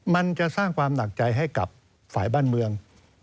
มันจะสร้างความหนักใจให้กับฝ่ายบ้านเมือง